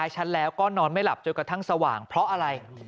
จนกระทั่งสว่างเพราะอะไร